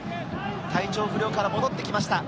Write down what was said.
体調不良から戻ってきました。